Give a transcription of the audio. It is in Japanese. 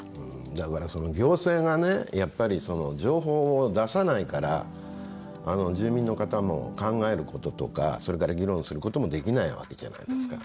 だから、行政が情報を出さないから住民の方も考えることとかそれから議論することもできないわけじゃないですか。